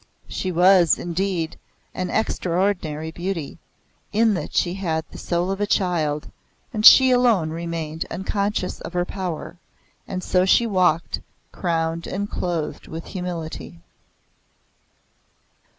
She was, indeed, an extraordinary beauty, in that she had the soul of a child, and she alone remained unconscious of her power; and so she walked, crowned and clothed with humility.